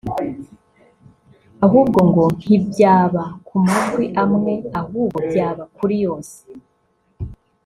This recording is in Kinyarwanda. ahubwo ngo ntibyaba ku majwi amwe ahubwo byaba kuri yose